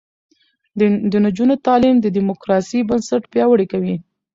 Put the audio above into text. د نجونو تعلیم د دیموکراسۍ بنسټ پیاوړی کوي.